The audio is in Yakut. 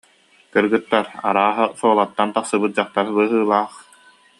«Кыргыттар, арааһа Суолаттан тахсыбыт дьахтар быһыылаах